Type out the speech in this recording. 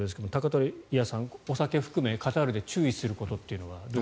鷹鳥屋さん、お酒含めカタールで注意することは。